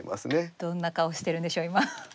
どんな顔してるんでしょう今。